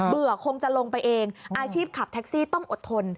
คงจะลงไปเองอาชีพขับแท็กซี่ต้องอดทน